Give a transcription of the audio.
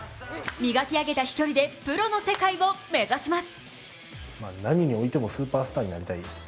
磨き上げた飛距離でプロの世界を目指します。